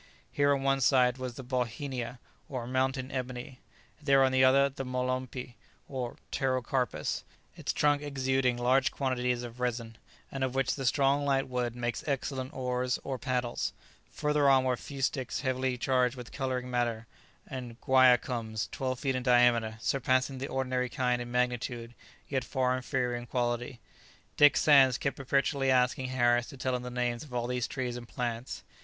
Here, on one side, was the bauhinia, or mountain ebony; there, on the other, the molompi or pterocarpus, its trunk exuding large quantities of resin, and of which the strong light wood makes excellent oars or paddles; further on were fustics heavily charged with colouring matter, and guaiacums, twelve feet in diameter, surpassing the ordinary kind in magnitude, yet far inferior in quality. Dick Sands kept perpetually asking Harris to tell him the names of all these trees and plants.